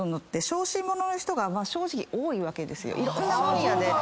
いろんな分野で。